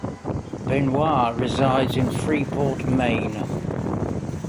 Benoit resides in Freeport, Maine.